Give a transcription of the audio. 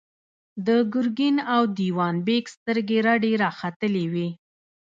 د ګرګين او دېوان بېګ سترګې رډې راختلې وې.